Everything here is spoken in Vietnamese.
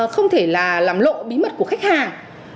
không thể làm lộ bí mật của khách hàng